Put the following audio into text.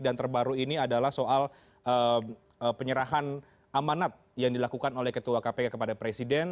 dan terbaru ini adalah soal penyerahan amanat yang dilakukan oleh ketua kpk kepada presiden